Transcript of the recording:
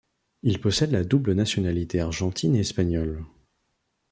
Il possède la double nationalité argentine et espagnole.